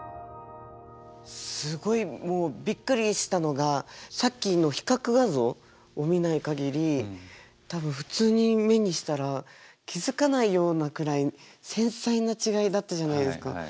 すごいもうびっくりしたのがさっきの比較画像を見ない限り多分普通に目にしたら気付かないようなくらい繊細な違いだったじゃないですか。